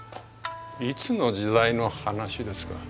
いつの時代の話ですか。